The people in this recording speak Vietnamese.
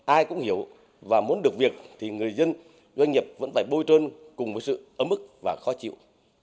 ai cũng hiểu và muốn được việc thì người dân doanh nghiệp vẫn phải bôi trơn cùng với sự ấm ức và khó chịu